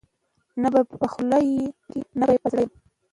نه به په خولو کي نه به په زړه یم